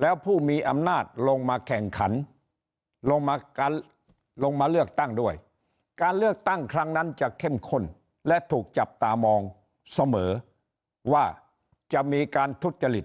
แล้วผู้มีอำนาจลงมาแข่งขันลงมาการลงมาเลือกตั้งด้วยการเลือกตั้งครั้งนั้นจะเข้มข้นและถูกจับตามองเสมอว่าจะมีการทุจริต